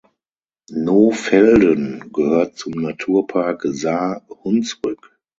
Nohfelden gehört zum Naturpark Saar-Hunsrück.